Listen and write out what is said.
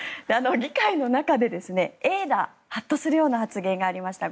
議会の中でＡｉ−Ｄａハッとするような発言がありました。